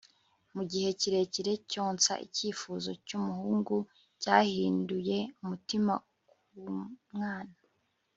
mu igihe kirekire cyonsa icyifuzo cyumuhungu cyahinduye umutima kumwana